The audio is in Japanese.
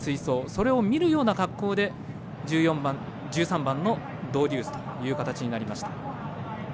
それを見るような格好で１３番ドウデュースという形になりました。